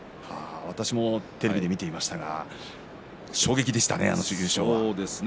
私もテレビで見ていましたが衝撃でしたね、あの優勝は。